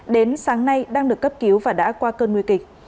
đến sáng nay đang được cấp cứu và đã qua cơn nguy kịch